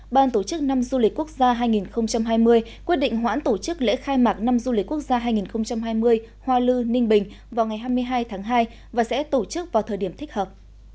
ban tổ chức năm du lịch quốc gia hai nghìn hai mươi quyết định hoãn tổ chức lễ khai mạc năm du lịch quốc gia hai nghìn hai mươi hoa lư ninh bình vào ngày hai mươi hai tháng hai và sẽ tổ chức vào thời điểm thích hợp